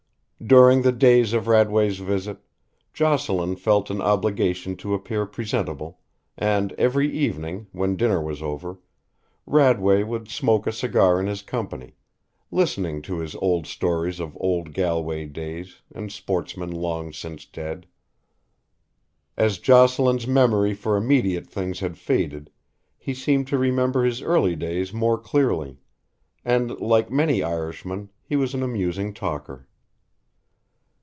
During the days of Radway's visit, Jocelyn felt an obligation to appear presentable, and every evening, when dinner was over, Radway would smoke a cigar in his company, listening to his stories of old Galway days and sportsmen long since dead. As Jocelyn's memory for immediate things had faded he seemed to remember his early days more clearly, and, like many Irishmen, he was an amusing talker.